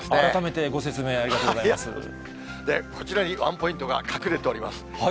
改めてご説明、ありがとうごこちらにワンポイントが隠れております。